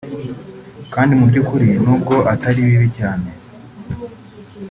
kandi mu by’ukuri n’ubwo atari bibi cyane